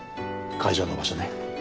会場の場所ね。